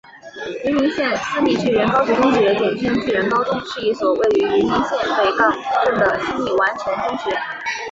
云林县私立巨人高级中学简称巨人高中是一所位于云林县北港镇的私立完全中学。